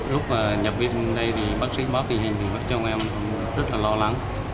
lúc nhập viên đây thì bác sĩ báo tình hình thì vợ chồng em rất là lo lắng